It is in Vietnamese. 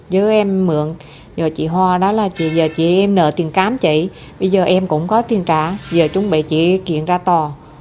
chứ em mượn giờ chị hoa đó là chị giờ chị em nợ tiền cám chị bây giờ em cũng có tiền trả giờ chuẩn bị chị chuyển ra tòa